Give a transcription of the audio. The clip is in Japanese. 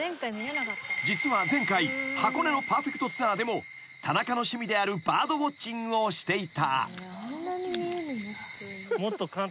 ［実は前回箱根のパーフェクトツアーでも田中の趣味であるバードウオッチングをしていた］